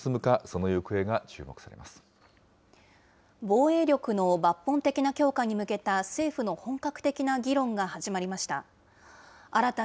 その行方が注防衛力の抜本的な強化に向けた政府の本格的な議論が始まりました。